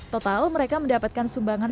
total mereka mendapatkan sumbangan